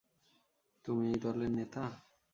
তুমি এই দলের নেতা?